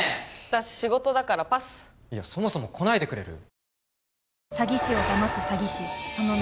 私仕事だからパスいやそもそも来ないでくれる？